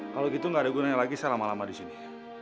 kalau gitu nggak ada gunanya lagi saya lama lama di sini